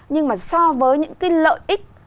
nhưng mà so với những cái lợi ích